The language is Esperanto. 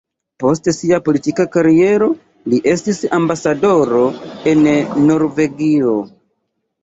Post sia politika kariero li estis ambasadoro en Norvegio.